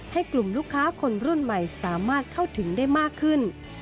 ให้กลุ่มลูกค้าคนรุ่นใหม่สามารถเข้าถึงได้มากขึ้น